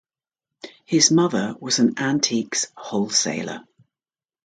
His mother was an antiques wholesaler.